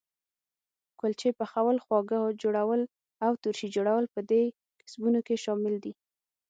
کلچې پخول، خواږه جوړول او ترشي جوړول په دې کسبونو کې شامل دي.